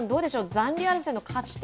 残留争いの勝ち点